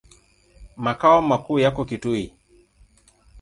Makao makuu yako Kitui.